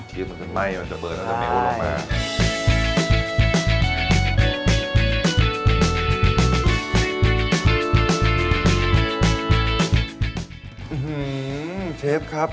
หื้มเชฟครับ